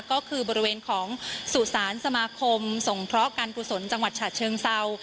ก็คือบริเวณของสุสานสมาคมสงเคราะห์การกุศลจังหวัดฉะเชิงเศร้า